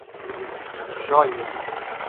Jóia